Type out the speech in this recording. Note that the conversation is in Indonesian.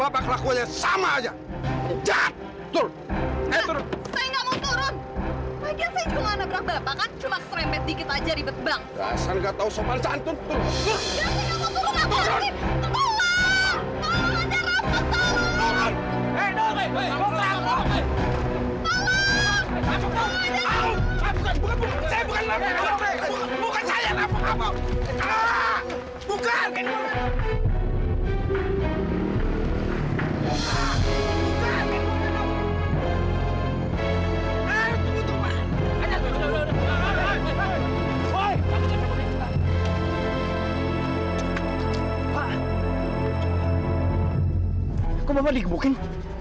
pak kamu mau dikepukin